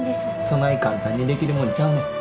そない簡単にできるもんちゃうねん。